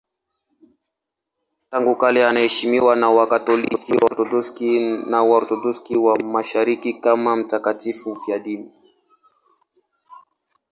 Tangu kale anaheshimiwa na Wakatoliki, Waorthodoksi na Waorthodoksi wa Mashariki kama mtakatifu mfiadini.